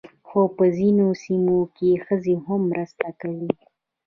خو په ځینو سیمو کې ښځې هم مرسته کوي.